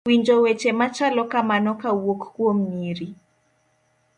winjo weche machalo kamano kawuok kuom nyiri